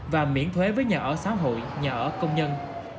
và miễn thuế với nhà ở xã hội nhà ở công nhân